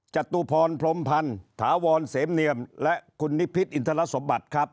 จตุพรพรมพันธ์ถาวรเสมเนียมและคุณนิพิษอินทรสมบัติครับ